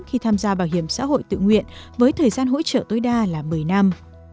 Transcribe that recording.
khi tham gia bảo hiểm xã hội tự nguyện với thời gian hỗ trợ tối đa là một mươi năm